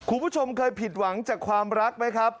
คุณผู้ชมเคยผิดหวังจากความรักไหมครับ